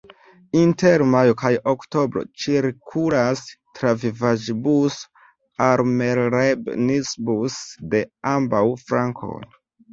Inter majo kaj oktobro cirkulas travivaĵbuso "Almerlebnisbus" de ambaŭ flankoj.